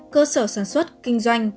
cơ sở sản xuất kinh doanh